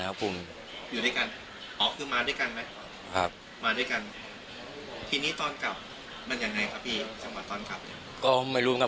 มันเขียนผ่านใครครับ